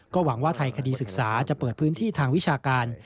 หวังว่าไทยคดีศึกษาจะเปิดพื้นที่ทางวิชาการ